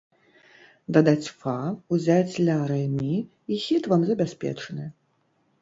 Дадаць фа, узяць ля-рэ-мі, і хіт вам забяспечаны!